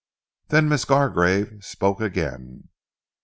Then Miss Gargrave spoke again.